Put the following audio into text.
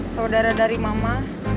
saudara dari mama